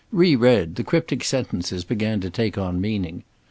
Reread, the cryptic sentences began to take on meaning.